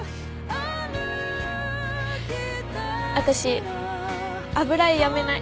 私油絵やめない。